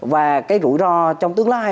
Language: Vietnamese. và cái rủi ro trong tương lai